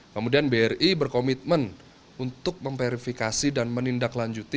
kemudian bri berkomitmen untuk memverifikasi dan menindaklanjuti